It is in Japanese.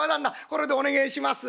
これでお願いします」。